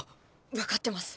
分かってます。